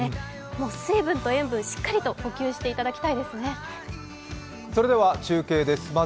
もう水分と塩分しっかりと補給していただきたいですね。